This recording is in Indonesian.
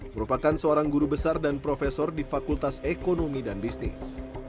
merupakan seorang guru besar dan profesor di fakultas ekonomi dan bisnis